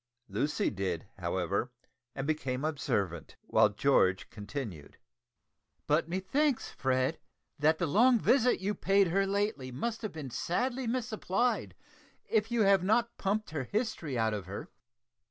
Lucy did, however, and became observant, while George continued "But methinks, Fred, that the long visit you paid her lately must have been sadly misapplied if you have not pumped her history out of her."